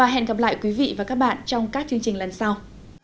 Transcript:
hẹn gặp lại quý vị và các bạn trong các chương trình lần sau